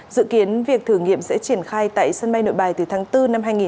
dự kiến việc thử nghiệm sẽ triển khai tại sân bay nội bài từ tháng bốn năm hai nghìn hai mươi